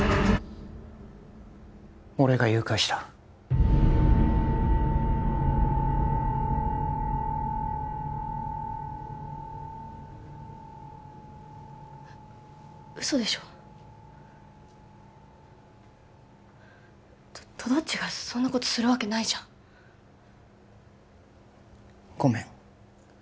俺が誘拐した嘘でしょととどっちがそんなことするわけないじゃんごめん